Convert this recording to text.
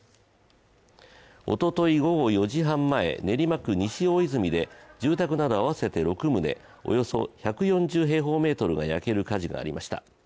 おととい午後４時半前、練馬区西大泉で住宅など合わせて６棟、およそ１４０平方メートルが焼ける火事がありました。